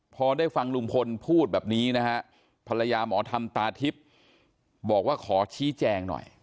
พอได้ฟังลุงพลพูดแบบนี้นะฮะภรรยาหมอธรรมตาทิพย์บอกว่าขอชี้แจงหน่อย